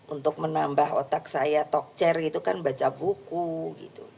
untuk menambah otak saya talk chair gitu kan baca buku gitu